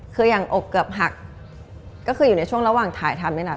คืออย่างอกเกือบหักก็คืออยู่ในช่วงระหว่างถ่ายทำนี่แหละ